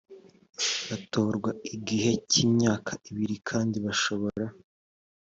batorerwa igihe cy imyaka ibiri kandi bashobora